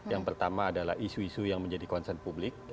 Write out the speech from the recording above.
yang pertama adalah isu isu yang menjadi concern publik